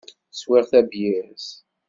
Swiɣ tabyirt.